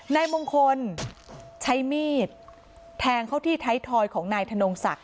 นายมงคลใช้มีดแทงเข้าที่ไทยทอยของนายธนงศักดิ